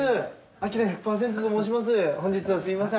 アキラ１００％と申します。